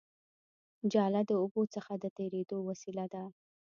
جاله د اوبو څخه د تېرېدو وسیله ده